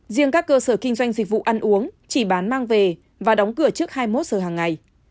riêng các cơ sở kinh doanh dịch vụ ăn uống chỉ bán mang về và đóng cửa trước hai mươi một giờ hàng ngày